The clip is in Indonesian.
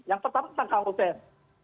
yang pertama tentang kang hussein